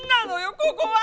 ここは！